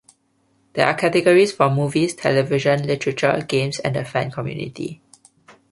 There are categories for movies, television, literature, games, and the fan community.